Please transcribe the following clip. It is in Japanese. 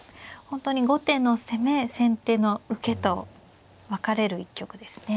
本当に後手の攻め先手の受けと分かれる一局ですね。